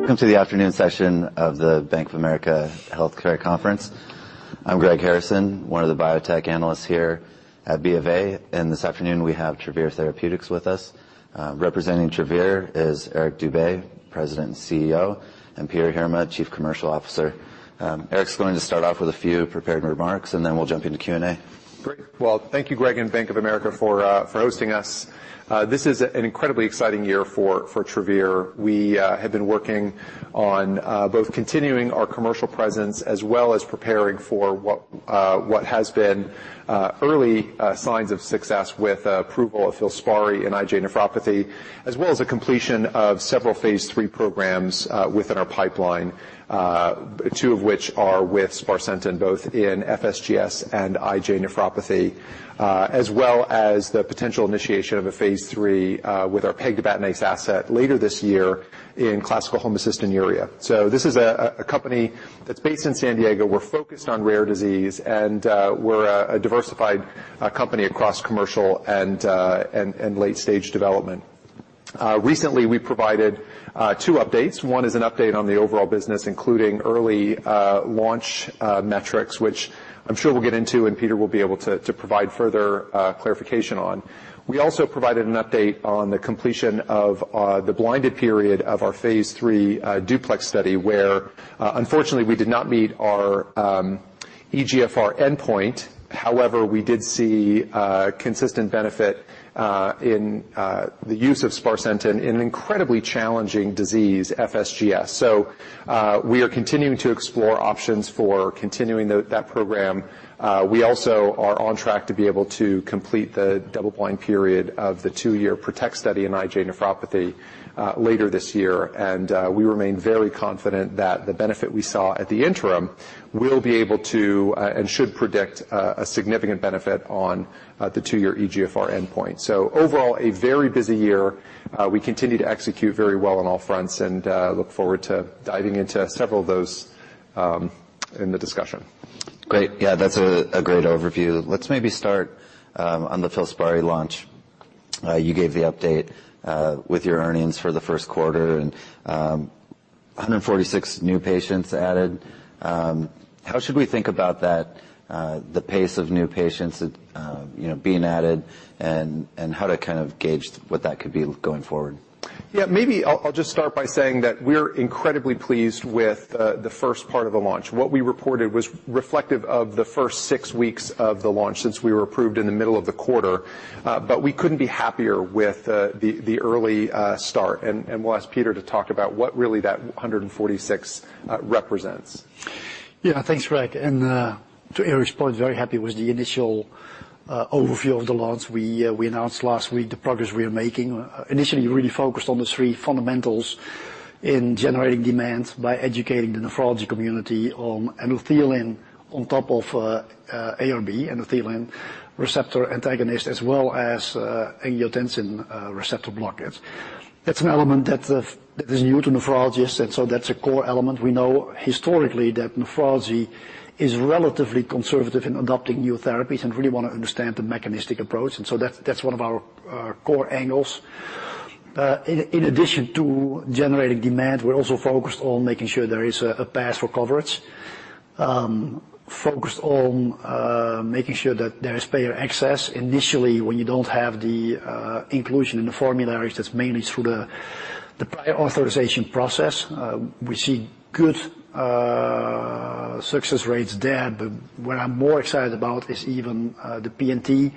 Welcome to the afternoon session of the Bank of America Healthcare Conference. I'm Greg Harrison, one of the biotech analysts here at B of A, and this afternoon we have Travere Therapeutics with us. Representing Travere is Eric Dube, President and Chief Executive Officer, and Peter Heerma, Chief Commercial Officer. Eric's going to start off with a few prepared remarks, and then we'll jump into Q&A. Great. Well, thank you, Greg, and Bank of America for hosting us. This is an incredibly exciting year for Travere. We have been working on both continuing our commercial presence as well as preparing for what has been early signs of success with approval of FILSPARI in IgA nephropathy, as well as the completion of several phase 3 programs within our pipeline, two of which are with sparsentan, both in FSGS and IgA nephropathy, as well as the potential initiation of a phase 3 with our PEG tibatinase asset later this year in classical homocystinuria. This is a company that's based in San Diego. We're focused on rare disease, and we're a diversified company across commercial and late stage development. Recently, we provided 2 updates. One is an update on the overall business, including early launch metrics, which I'm sure we'll get into, and Peter Heerma will be able to provide further clarification on. We also provided an update on the completion of the blinded period of our phase 3 DUPLEX study, where unfortunately we did not meet our eGFR endpoint. We did see consistent benefit in the use of sparsentan in an incredibly challenging disease, FSGS. We are continuing to explore options for continuing that program. We also are on track to be able to complete the double blind period of the 2-year PROTECT study in IgA nephropathy later this year. We remain very confident that the benefit we saw at the interim will be able to, and should predict, a significant benefit on, the two-year EGFR endpoint. Overall, a very busy year. We continue to execute very well on all fronts and, look forward to diving into several of those, in the discussion. Great. Yeah, that's a great overview. Let's maybe start on the FILSPARI launch. You gave the update with your earnings for the first quarter and 146 new patients added. How should we think about that, the pace of new patients, you know, being added and how to kind of gauge what that could be going forward? Yeah, maybe I'll just start by saying that we're incredibly pleased with the first part of the launch. What we reported was reflective of the first six weeks of the launch since we were approved in the middle of the quarter. We couldn't be happier with the early start and we'll ask Peter to talk about what really that 146 represents. Yeah. Thanks, Greg. To Eric's point, very happy with the initial overview of the launch. We announced last week the progress we are making. Initially, we really focused on the 3 fundamentals in generating demand by educating the nephrology community on endothelin on top of, ARB, endothelin receptor antagonist, as well as, angiotensin receptor blockers. That's an element that is new to nephrologists. That's a core element. We know historically that nephrology is relatively conservative in adopting new therapies and really want to understand the mechanistic approach. That's one of our core angles. In addition to generating demand, we're also focused on making sure there is a path for coverage, focused on making sure that there is payer access. Initially, when you don't have the inclusion in the formularies, that's mainly through the prior authorization process. We see good success rates there, but what I'm more excited about is even the P&T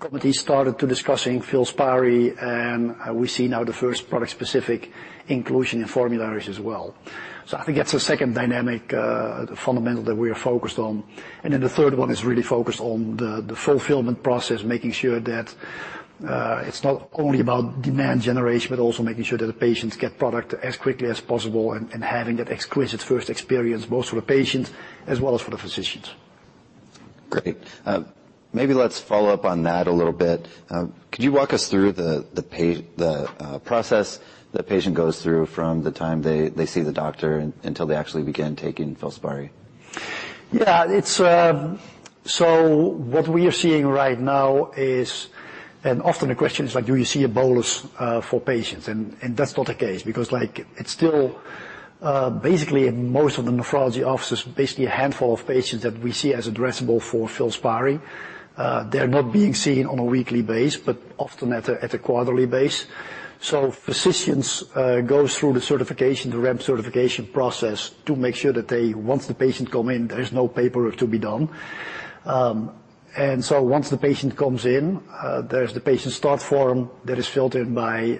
committee started to discussing FILSPARI, and we see now the first product-specific inclusion in formularies as well. I think that's a second dynamic, fundamental that we are focused on. The third one is really focused on the fulfillment process, making sure that it's not only about demand generation, but also making sure that the patients get product as quickly as possible and having that exquisite first experience both for the patients as well as for the physicians. Great. Maybe let's follow up on that a little bit. Could you walk us through the process the patient goes through from the time they see the doctor until they actually begin taking FILSPARI? Yeah. It's what we are seeing right now. Often the question is like, do you see a bolus for patients? That's not the case because, like, it's still basically in most of the nephrology offices, basically a handful of patients that we see as addressable for FILSPARI. They're not being seen on a weekly base, but often at a quarterly base. Physicians go through the certification, the REMS certification process to make sure that once the patient come in, there is no paperwork to be done. Once the patient comes in, there's the patient start form that is filtered by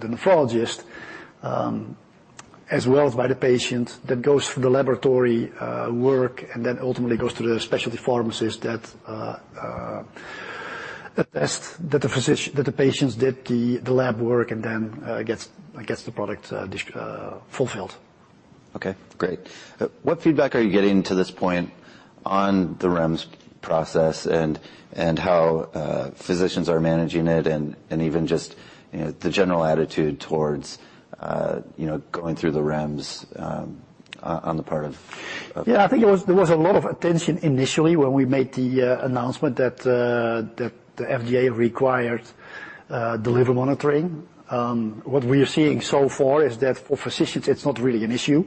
the nephrologist, as well as by the patient that goes through the laboratory work, and then ultimately goes to the specialty pharmacist that tests that the patients did the lab work and then gets the product, fulfilled. Okay, great. What feedback are you getting to this point on the REMS process and how physicians are managing it and even just, you know, the general attitude towards, you know, going through the REMS? Yeah, I think there was a lot of attention initially when we made the announcement that the FDA required the liver monitoring. What we are seeing so far is that for physicians, it's not really an issue,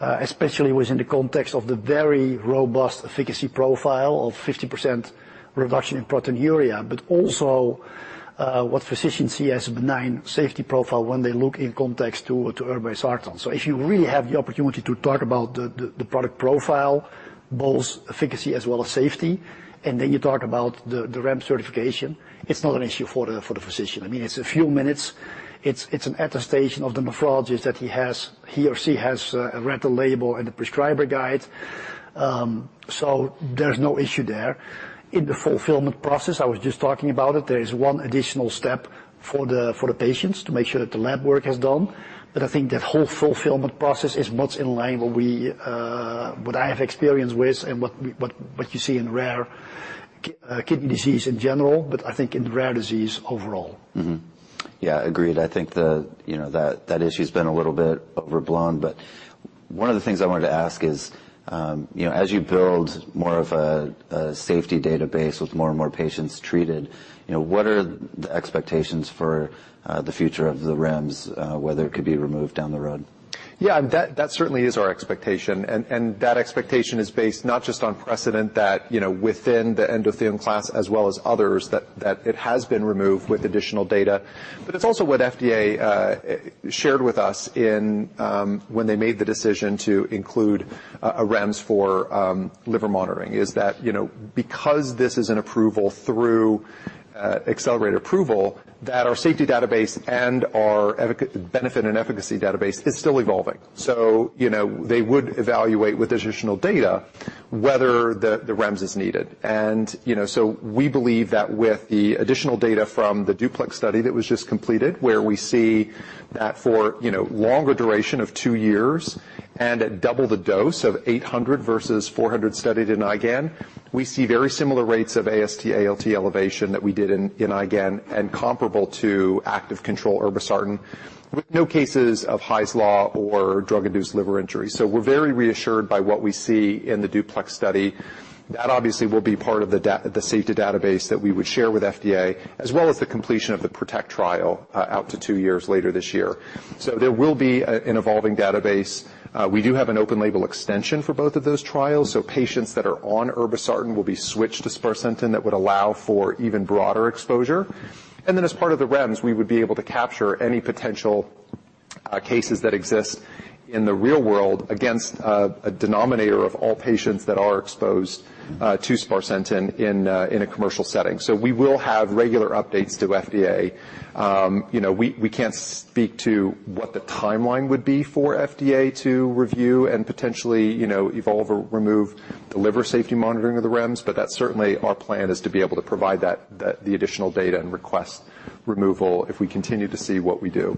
especially within the context of the very robust efficacy profile of 50% reduction in proteinuria. Also, what physicians see as a benign safety profile when they look in context to irbesartan. If you really have the opportunity to talk about the product profile, both efficacy as well as safety, and then you talk about the REMS certification, it's not an issue for the physician. I mean, it's a few minutes. It's an attestation of the nephrologist that he or she has read the label and the prescriber guide. There's no issue there. In the fulfillment process, I was just talking about it, there is one additional step for the patients to make sure that the lab work is done. I think that whole fulfillment process is much in line with what I have experience with and what you see in rare kidney disease in general, but I think in rare disease overall. Yeah, agreed. I think the, you know, that issue's been a little bit overblown. One of the things I wanted to ask is, you know, as you build more of a safety database with more and more patients treated, you know, what are the expectations for the future of the REMS, whether it could be removed down the road? Yeah, that certainly is our expectation. That expectation is based not just on precedent that, you know, within the endothelin class as well as others, that it has been removed with additional data. It's also what FDA shared with us in when they made the decision to include a REMS for liver monitoring, is that, you know, because this is an approval through accelerated approval, that our safety database and our benefit and efficacy database is still evolving. You know, they would evaluate with additional data whether the REMS is needed. You know, we believe that with the additional data from the DUPLEX study that was just completed, where we see that for, you know, longer duration of 2 years and at double the dose of 800 versus 400 studied in IGAN, we see very similar rates of AST/ALT elevation that we did in IGAN and comparable to active control irbesartan, with no cases of Hy's law or drug-induced liver injury. We're very reassured by what we see in the DUPLEX study. That obviously will be part of the safety database that we would share with FDA, as well as the completion of the PROTECT trial out to 2 years later this year. There will be an evolving database. We do have an open-label extension for both of those trials. Patients that are on irbesartan will be switched to sparsentan that would allow for even broader exposure. As part of the REMS, we would be able to capture any potential cases that exist in the real world against a denominator of all patients that are exposed to sparsentan in a commercial setting. We will have regular updates to FDA. You know, we can't speak to what the timeline would be for FDA to review and potentially, you know, evolve or remove the liver safety monitoring of the REMS, but that's certainly our plan is to be able to provide that the additional data and request removal if we continue to see what we do.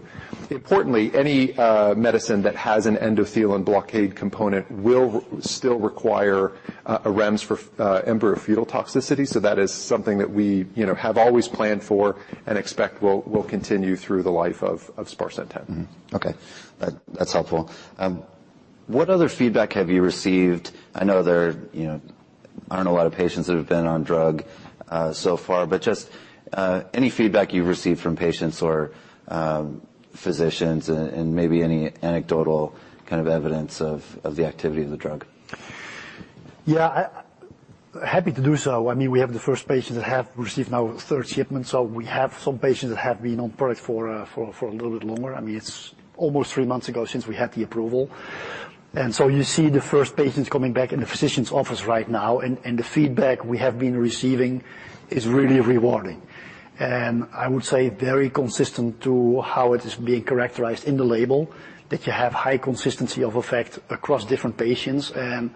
Importantly, any medicine that has an endothelin blockade component will still require a REMS for embryo-fetal toxicity. That is something that we, you know, have always planned for and expect will continue through the life of sparsentan. Okay. That's helpful. What other feedback have you received? I know there, you know, aren't a lot of patients that have been on drug so far, but just any feedback you've received from patients or physicians and maybe any anecdotal kind of evidence of the activity of the drug. Yeah. I happy to do so. I mean, we have the first patients that have received now third shipment, so we have some patients that have been on product for a little bit longer. I mean, it's almost three months ago since we had the approval. You see the first patients coming back in the physician's office right now, and the feedback we have been receiving is really rewarding. I would say very consistent to how it is being characterized in the label, that you have high consistency of effect across different patients, and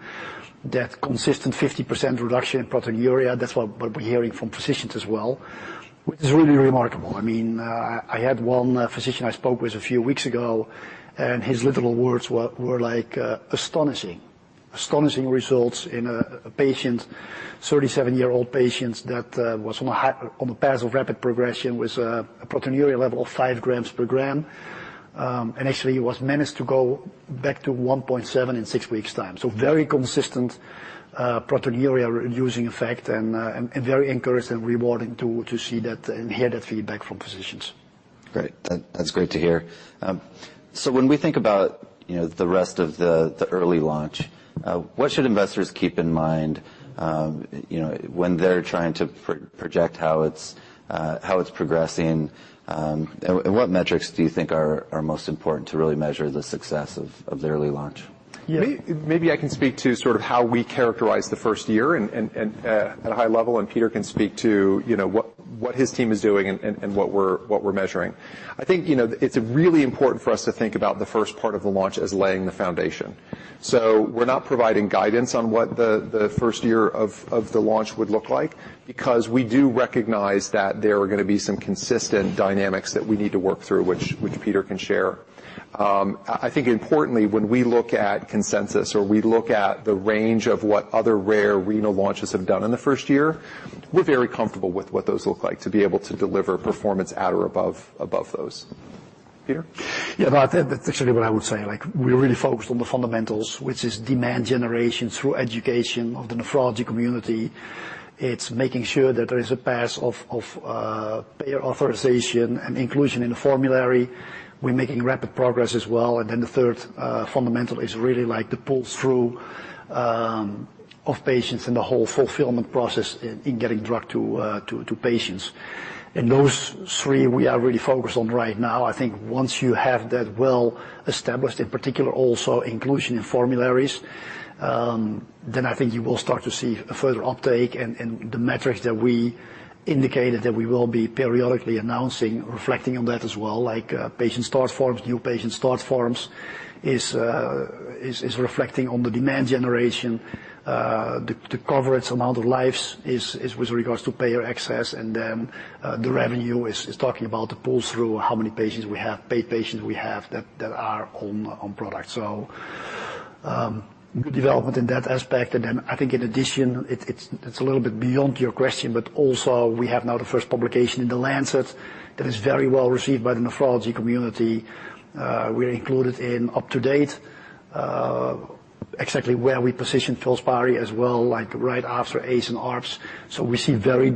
that consistent 50% reduction in proteinuria, that's what we're hearing from physicians as well, which is really remarkable. I mean, I had one physician I spoke with a few weeks ago, and his literal words were like astonishing. Astonishing results in a patient, 37-year-old patient that was on the path of rapid progression with a proteinuria level of five grams per gram. Actually he was managed to go back to 1.7 in six weeks' time. Very consistent proteinuria reducing effect and very encouraged and rewarding to see that and hear that feedback from physicians. Great. That's great to hear. When we think about, you know, the rest of the early launch, what should investors keep in mind, you know, when they're trying to project how it's, how it's progressing, and what metrics do you think are most important to really measure the success of the early launch? Yeah- May, maybe I can speak to sort of how we characterize the first year and at a high level, and Peter can speak to, you know, what his team is doing and what we're, what we're measuring. I think, you know, it's really important for us to think about the first part of the launch as laying the foundation. We're not providing guidance on what the first year of the launch would look like, because we do recognize that there are gonna be some consistent dynamics that we need to work through, which Peter can share. I think importantly, when we look at consensus or we look at the range of what other rare renal launches have done in the first year, we're very comfortable with what those look like to be able to deliver performance at or above those. Peter? Yeah. No, I think that's actually what I would say. Like, we're really focused on the fundamentals, which is demand generation through education of the nephrology community. It's making sure that there is a path of payer authorization and inclusion in the formulary. We're making rapid progress as well. The third fundamental is really, like, the pull-through of patients and the whole fulfillment process in getting drug to patients. Those three we are really focused on right now. Once you have that well established, in particular also inclusion in formularies, then I think you will start to see a further uptake. The metrics that we indicated that we will be periodically announcing reflecting on that as well, like, patient start forms, new patient start forms is reflecting on the demand generation. The coverage amount of lives is with regards to payer access. Then, the revenue is talking about the pull-through, how many patients we have, paid patients we have that are on product. Good development in that aspect. Then I think in addition, it's, it's a little bit beyond your question, but also we have now the first publication in The Lancet that is very well received by the nephrology community. We're included in UpToDate, exactly where we position FILSPARI as well, like right after ACE and ARBs. We see very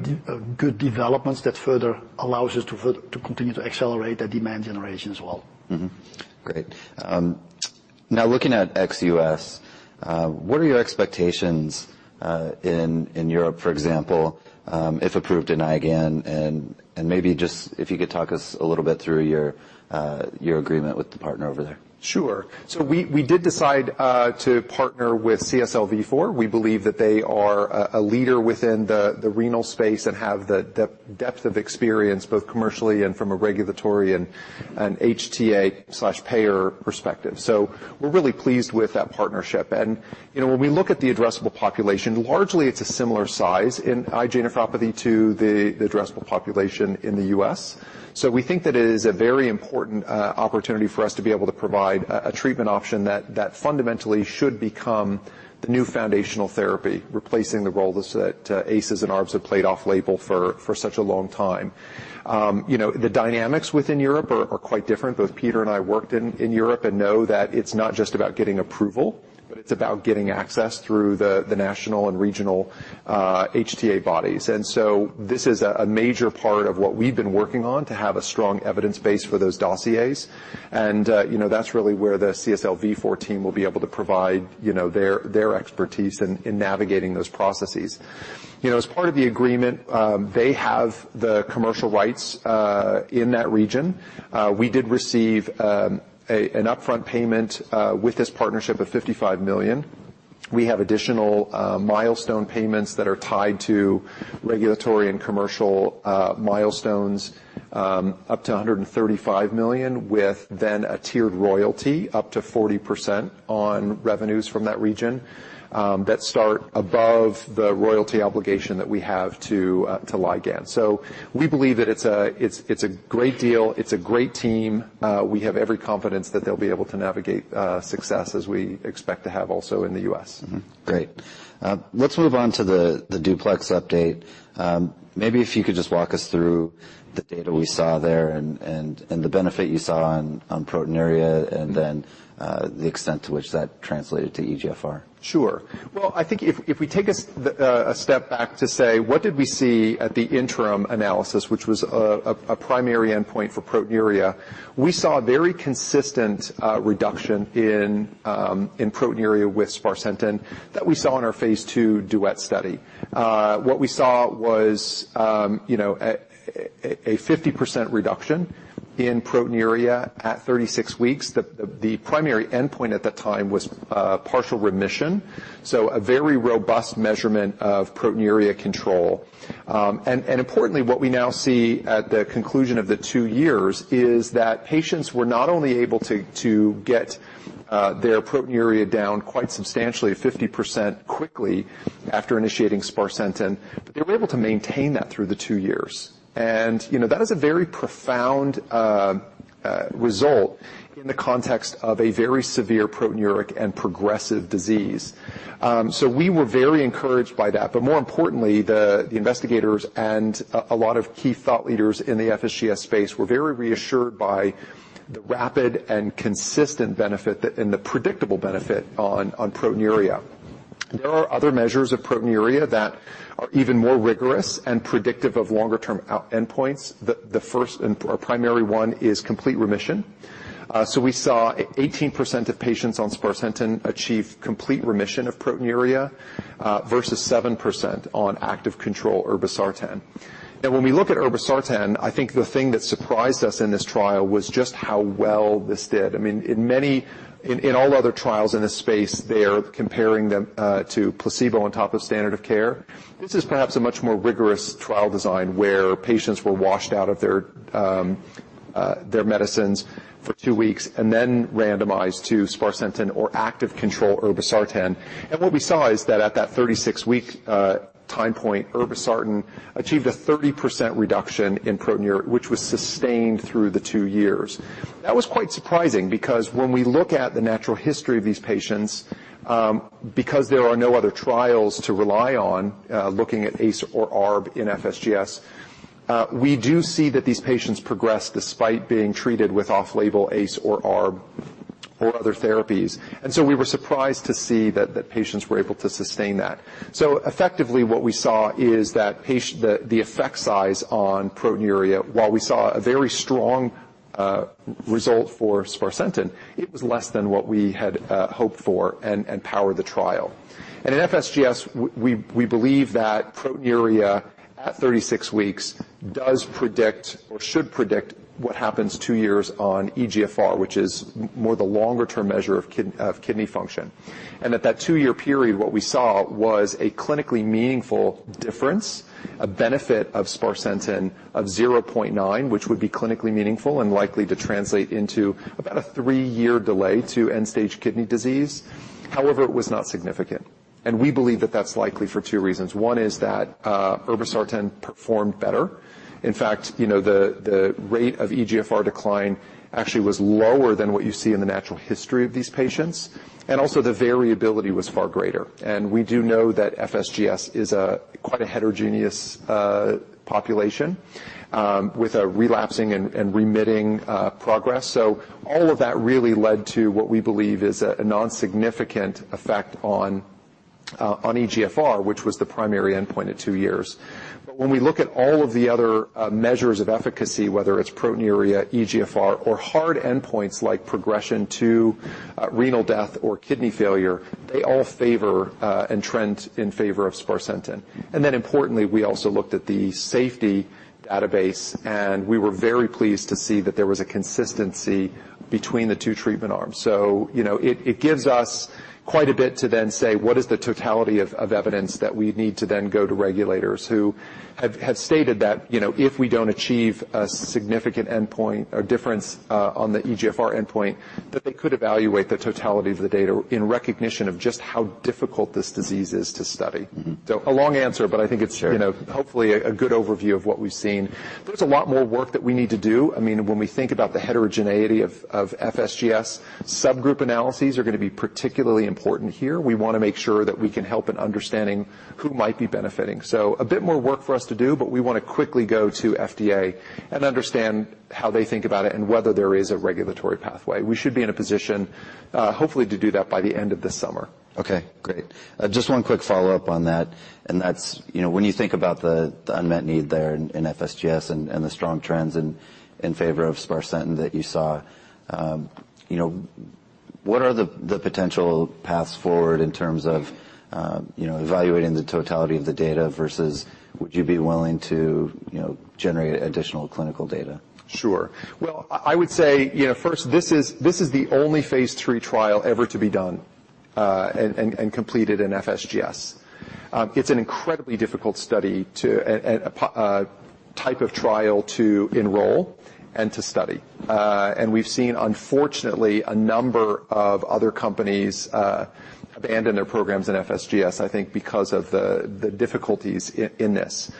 good developments that further allows us to continue to accelerate that demand generation as well. Great. now looking at ex US, what are your expectations in Europe, for example, if approved in IGAN? Maybe just if you could talk us a little bit through your agreement with the partner over there. Sure. We did decide to partner with CSL Vifor. We believe that they are a leader within the renal space and have the depth of experience both commercially and from a regulatory and HTA/payer perspective. We're really pleased with that partnership. You know, when we look at the addressable population, largely it's a similar size in IgA nephropathy to the addressable population in the U.S. We think that it is a very important opportunity for us to be able to provide a treatment option that fundamentally should become the new foundational therapy, replacing the roles that ACEs and ARBs have played off label for such a long time. You know, the dynamics within Europe are quite different. Both Peter and I worked in Europe and know that it's not just about getting approval, but it's about getting access through the national and regional HTA bodies. This is a major part of what we've been working on to have a strong evidence base for those dossiers. You know, that's really where the CSL Vifor team will be able to provide, you know, their expertise in navigating those processes. You know, as part of the agreement, they have the commercial rights in that region. We did receive an upfront payment with this partnership of $55 million. We have additional milestone payments that are tied to regulatory and commercial milestones, up to $135 million, with then a tiered royalty up to 40% on revenues from that region, that start above the royalty obligation that we have to Ligand. We believe that it's a great deal. It's a great team. We have every confidence that they'll be able to navigate success as we expect to have also in the US. Mm-hmm. Great. Let's move on to the DUPLEX update. Maybe if you could just walk us through the data we saw there and the benefit you saw on proteinuria, and then, the extent to which that translated to eGFR. Sure. Well, I think if we take a step back to say, what did we see at the interim analysis, which was a primary endpoint for proteinuria? We saw very consistent reduction in proteinuria with sparsentan that we saw in our phase 2 DUET study. What we saw was, you know, a 50% reduction in proteinuria at 36 weeks. The primary endpoint at that time was partial remission, so a very robust measurement of proteinuria control. Importantly, what we now see at the conclusion of the 2 years is that patients were not only able to get their proteinuria down quite substantially at 50% quickly after initiating sparsentan, but they were able to maintain that through the 2 years. You know, that is a very profound result in the context of a very severe proteinuria and progressive disease. We were very encouraged by that, but more importantly, the investigators and a lot of key thought leaders in the FSGS space were very reassured by the rapid and consistent benefit and the predictable benefit on proteinuria. There are other measures of proteinuria that are even more rigorous and predictive of longer term out-endpoints. The first and/or primary one is complete remission. So we saw 18% of patients on sparsentan achieve complete remission of proteinuria versus 7% on active control irbesartan. When we look at irbesartan, I think the thing that surprised us in this trial was just how well this did. I mean, in all other trials in this space, they are comparing them to placebo on top of standard of care. This is perhaps a much more rigorous trial design where patients were washed out of their medicines for two weeks and then randomized to sparsentan or active control irbesartan. What we saw is that at that 36-week time point, irbesartan achieved a 30% reduction in proteinuria, which was sustained through the two years. That was quite surprising because when we look at the natural history of these patients, because there are no other trials to rely on, looking at ACE or ARB in FSGS, we do see that these patients progress despite being treated with off-label ACE or ARB or other therapies. We were surprised to see that patients were able to sustain that. Effectively, what we saw is that the effect size on proteinuria, while we saw a very strong result for sparsentan, it was less than what we had hoped for and power the trial. In FSGS, we believe that proteinuria at 36 weeks does predict or should predict what happens 2 years on eGFR, which is more the longer-term measure of kidney function. At that 2-year period, what we saw was a clinically meaningful difference, a benefit of sparsentan of 0.9, which would be clinically meaningful and likely to translate into about a 3-year delay to end-stage kidney disease. However, it was not significant. We believe that that's likely for 2 reasons. One is that irbesartan performed better. In fact, you know, the rate of eGFR decline actually was lower than what you see in the natural history of these patients. Also, the variability was far greater. We do know that FSGS is a quite a heterogeneous population with a relapsing and remitting progress. All of that really led to what we believe is a nonsignificant effect on eGFR, which was the primary endpoint at two years. When we look at all of the other measures of efficacy, whether it's proteinuria, eGFR, or hard endpoints like progression to renal death or kidney failure, they all favor and trend in favor of sparsentan. Importantly, we also looked at the safety database, and we were very pleased to see that there was a consistency between the two treatment arms. You know, it gives us quite a bit to then say, what is the totality of evidence that we need to then go to regulators who have stated that, you know, if we don't achieve a significant endpoint or difference on the eGFR endpoint, that they could evaluate the totality of the data in recognition of just how difficult this disease is to study. Mm-hmm. A long answer, but I think. Sure. you know, hopefully a good overview of what we've seen. There's a lot more work that we need to do. I mean, when we think about the heterogeneity of FSGS, subgroup analyses are gonna be particularly important here. We wanna make sure that we can help in understanding who might be benefiting. A bit more work for us to do, but we wanna quickly go to FDA and understand how they think about it and whether there is a regulatory pathway. We should be in a position, hopefully to do that by the end of this summer. Okay, great. Just one quick follow-up on that, and that's, you know, when you think about the unmet need there in FSGS and the strong trends in favor of sparsentan that you saw, you know, what are the potential paths forward in terms of, you know, evaluating the totality of the data versus would you be willing to, you know, generate additional clinical data? Sure. Well, I would say, you know, first, this is the only phase 3 trial ever to be done and completed in FSGS. It's an incredibly difficult study to and a type of trial to enroll and to study. And we've seen, unfortunately, a number of other companies abandon their programs in FSGS, I think, because of the difficulties in this.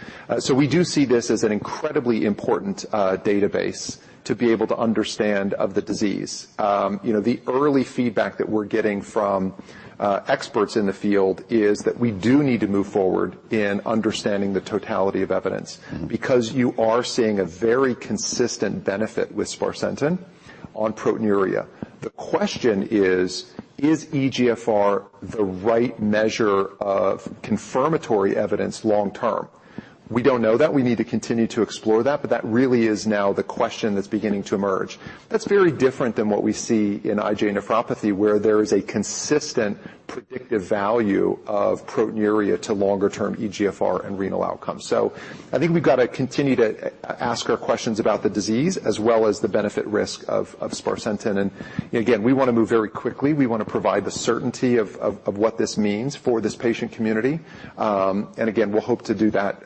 We do see this as an incredibly important database to be able to understand of the disease. You know, the early feedback that we're getting from experts in the field is that we do need to move forward in understanding the totality of evidence- Mm-hmm. because you are seeing a very consistent benefit with sparsentan on proteinuria. The question is: Is eGFR the right measure of confirmatory evidence long term? We don't know that. We need to continue to explore that, but that really is now the question that's beginning to emerge. That's very different than what we see in IgA nephropathy, where there is a consistent predictive value of proteinuria to longer-term eGFR and renal outcomes. I think we've got to continue to ask our questions about the disease as well as the benefit risk of sparsentan. Again, we wanna move very quickly. We wanna provide the certainty of what this means for this patient community. Again, we'll hope to do that,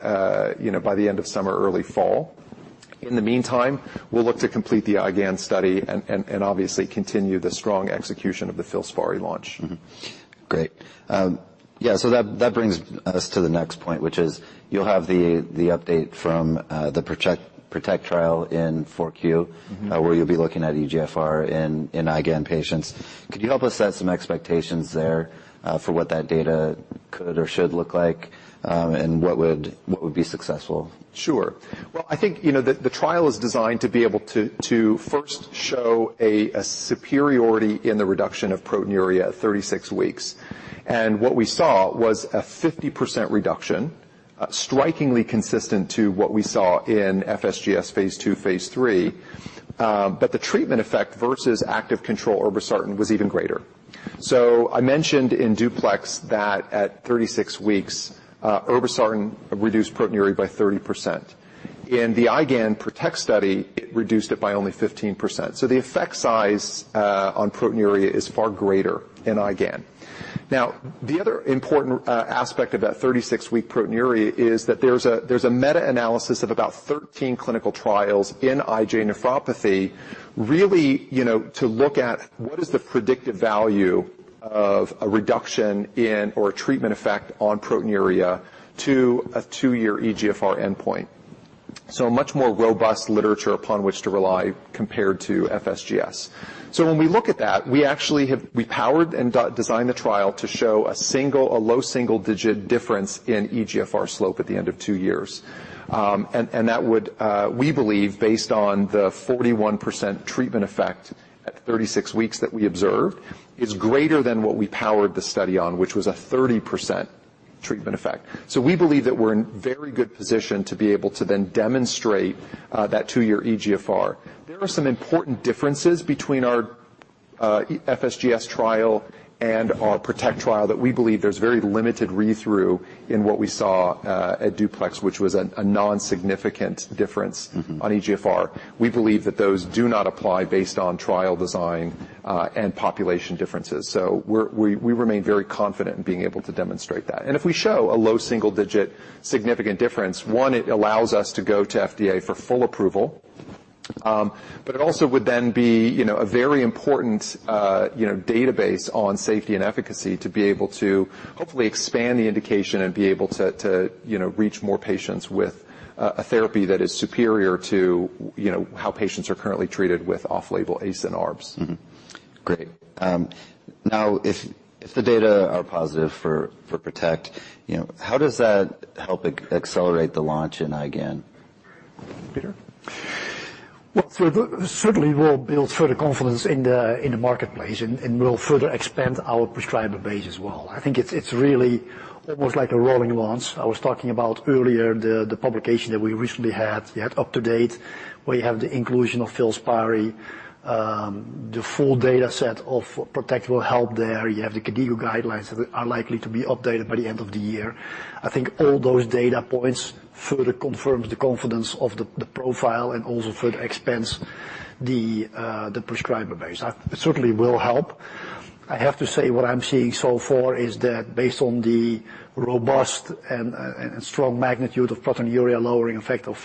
you know, by the end of summer, early fall. In the meantime, we'll look to complete the IGAN study and obviously continue the strong execution of the FILSPARI launch. Great. Yeah, that brings us to the next point, which is you'll have the update from the PROTECT trial in 4Q- Mm-hmm. where you'll be looking at eGFR in IGAN patients. Could you help us set some expectations there, for what that data could or should look like, and what would be successful? Sure. I think, you know, the trial is designed to be able to first show a superiority in the reduction of proteinuria at 36 weeks. What we saw was a 50% reduction, strikingly consistent to what we saw in FSGS phase 2, phase 3. The treatment effect versus active control irbesartan was even greater. I mentioned in DUPLEX that at 36 weeks, irbesartan reduced proteinuria by 30%. In the IGAN PROTECT study, it reduced it by only 15%. The effect size on proteinuria is far greater in IGAN. The other important aspect of that 36-week proteinuria is that there's a meta-analysis of about 13 clinical trials in IgA nephropathy, really, you know, to look at what is the predictive value of a reduction in or a treatment effect on proteinuria to a 2-year eGFR endpoint. A much more robust literature upon which to rely compared to FSGS. When we look at that, we actually powered and designed the trial to show a low single-digit difference in eGFR slope at the end of 2 years. That would, we believe, based on the 41% treatment effect at 36 weeks that we observed, is greater than what we powered the study on, which was a 30% treatment effect. We believe that we're in very good position to be able to then demonstrate, that two-year eGFR. There are some important differences between our FSGS trial and our PROTECT trial that we believe there's very limited read-through in what we saw at DUPLEX, which was a nonsignificant difference... Mm-hmm on eGFR. We believe that those do not apply based on trial design and population differences. We remain very confident in being able to demonstrate that. If we show a low single-digit significant difference, one, it allows us to go to FDA for full approval. It also would then be, you know, a very important, you know, database on safety and efficacy to be able to hopefully expand the indication and be able to, you know, reach more patients with a therapy that is superior to, you know, how patients are currently treated with off-label ACE and ARBs. Great. Now, if the data are positive for PROTECT, you know, how does that help accelerate the launch in IgAN? Peter? Certainly we'll build further confidence in the marketplace and we'll further expand our prescriber base as well. I think it's really almost like a rolling launch. I was talking about earlier the publication that we recently had, you know, UpToDate, where you have the inclusion of FILSPARI, the full data set of PROTECT will help there. You have the KDIGO guidelines that are likely to be updated by the end of the year. I think all those data points further confirms the confidence of the profile and also further expands the prescriber base. It certainly will help. I have to say what I'm seeing so far is that based on the robust and strong magnitude of proteinuria-lowering effect of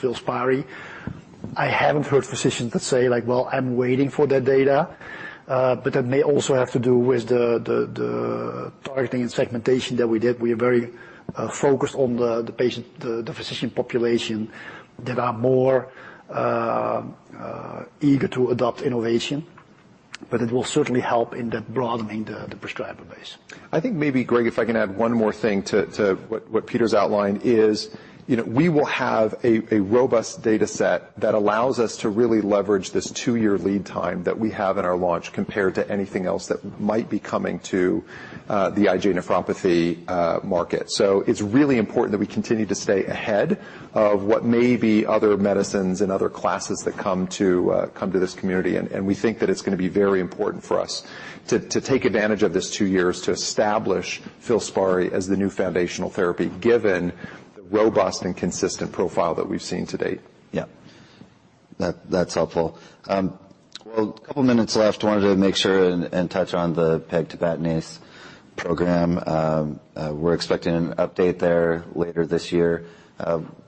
FILSPARI, I haven't heard physicians that say like, "Well, I'm waiting for that data." That may also have to do with the targeting and segmentation that we did. We are very focused on the patient, the physician population that are more eager to adopt innovation, but it will certainly help in the broadening the prescriber base. I think maybe, Greg, if I can add one more thing to what Peter's outlined, is, you know, we will have a robust data set that allows us to really leverage this 2-year lead time that we have in our launch compared to anything else that might be coming to the IgA nephropathy market. It's really important that we continue to stay ahead of what may be other medicines and other classes that come to this community, and we think that it's gonna be very important for us to take advantage of this 2 years to establish FILSPARI as the new foundational therapy, given the robust and consistent profile that we've seen to date. Yeah. That's helpful. Well, a couple minutes left. Wanted to make sure and touch on the pegtibatinase program. We're expecting an update there later this year.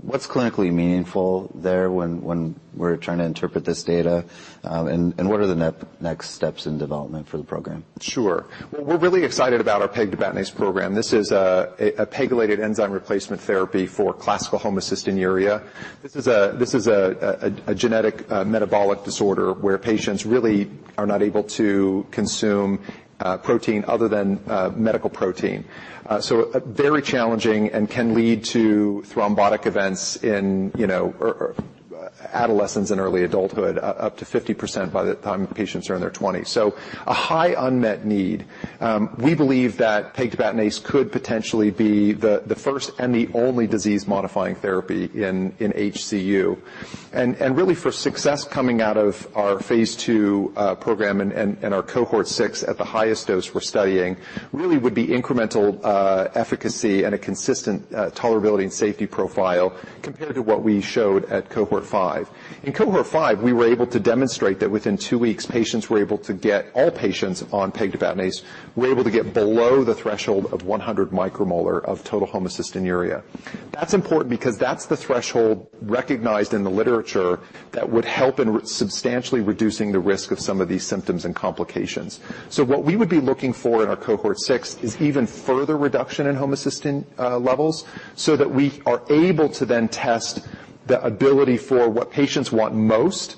What's clinically meaningful there when we're trying to interpret this data? What are the next steps in development for the program? Sure. Well, we're really excited about our pegtibatinase program. This is a PEGylated enzyme replacement therapy for classical homocystinuria. This is a genetic metabolic disorder where patients really are not able to consume protein other than medical protein. So very challenging and can lead to thrombotic events in, you know, or adolescence and early adulthood, up to 50% by the time patients are in their 20s. A high unmet need. We believe that pegtibatinase could potentially be the first and the only disease-modifying therapy in HCU. Really for success coming out of our phase 2 program and our Cohort 6 at the highest dose we're studying really would be incremental efficacy and a consistent tolerability and safety profile compared to what we showed at Cohort 5. In Cohort 5, we were able to demonstrate that within two weeks, patients were able to get all patients on pegtibatinase were able to get below the threshold of 100 micromolar of total homocysteine. That's important because that's the threshold recognized in the literature that would help in substantially reducing the risk of some of these symptoms and complications. What we would be looking for in our Cohort 6 is even further reduction in homocysteine levels so that we are able to then test the ability for what patients want most,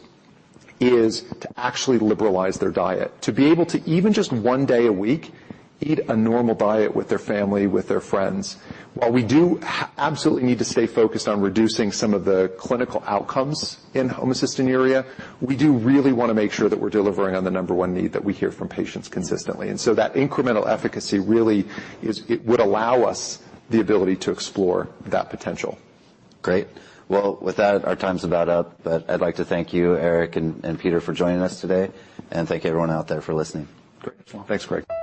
is to actually liberalize their diet, to be able to, even just one day a week, eat a normal diet with their family, with their friends. While we do absolutely need to stay focused on reducing some of the clinical outcomes in homocystinuria, we do really wanna make sure that we're delivering on the number 1 need that we hear from patients consistently. That incremental efficacy it would allow us the ability to explore that potential. Great. Well, with that, our time's about up. I'd like to thank you, Eric and Peter for joining us today, and thank you everyone out there for listening. Great. Thanks, Greg.